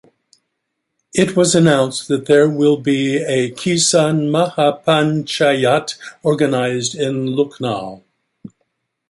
It was announced that there will be a Kisan Mahapanchayat organised in Lucknow.